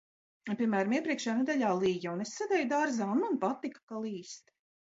Piemēram, iepriekšējā nedēļā lija, un es sēdēju dārzā, un man patika, ka līst.